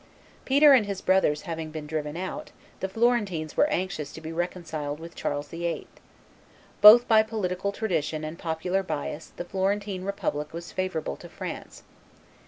Peter and his brothers having been driven out, the Florentines were anxious to be reconciled with Charles VIII. Both by political tradition and popular bias the Florentine republic was favorable to France.